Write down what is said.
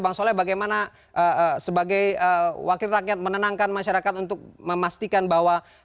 bang soleh bagaimana sebagai wakil rakyat menenangkan masyarakat untuk memastikan bahwa